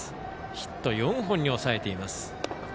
ヒット４本に抑えています。